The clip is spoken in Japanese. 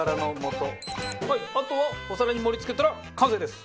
あとはお皿に盛り付けたら完成です。